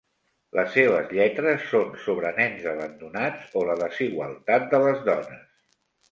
Les seves lletres són sobre nens abandonats o la desigualtat de les dones.